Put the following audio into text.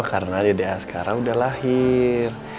karena dede skara udah lahir